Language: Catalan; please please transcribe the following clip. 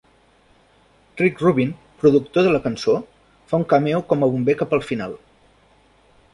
Rick Rubin, productor de la cançó, fa un cameo com a bomber cap al final.